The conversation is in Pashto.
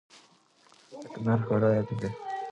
د کندهار ښاروالۍ د داوطلبۍ خبرتیا!